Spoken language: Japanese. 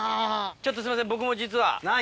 ちょっとすみません、僕も実は。